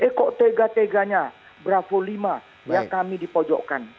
eko tega teganya bravo lima yang kami dipojokkan